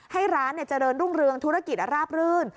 ให้ร้านเจริญรุ่งเรืองธุรกิจราบรื่น